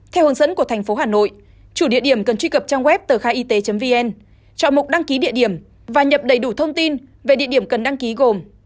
theo hướng dẫn của tp hà nội chủ địa điểm cần truy cập trang web tờ khaiyt vn chọn mục đăng ký địa điểm và nhập đầy đủ thông tin về địa điểm cần đăng ký gồm